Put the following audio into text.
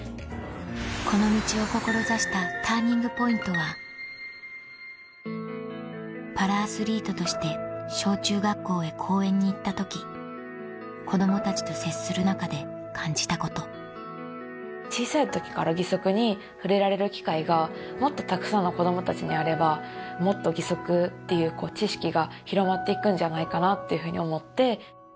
この道を志したＴＵＲＮＩＮＧＰＯＩＮＴはパラアスリートとして小中学校へ講演に行った時子供たちと接する中で感じたこと小さい時から義足に触れられる機会がもっとたくさんの子供たちにあればもっと義足っていう知識が広まっていくんじゃないかなっていうふうに思って。